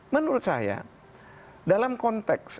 menurut saya dalam konteks